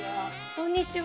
・こんにちは・